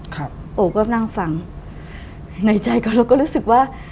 โอก็นั่งฟังในใจเขาเราก็รู้สึกว่า